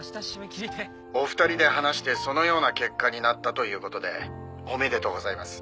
「お二人で話してそのような結果になったという事でおめでとうございます」